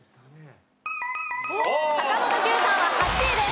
坂本九さんは８位です。